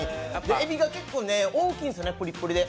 えびが結構大きいんですよね、プリプリで。